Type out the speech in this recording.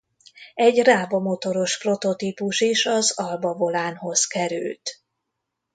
Egy Rába motoros prototípus is az Alba Volánhoz került.